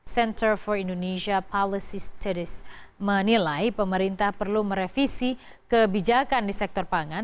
center for indonesia policy studies menilai pemerintah perlu merevisi kebijakan di sektor pangan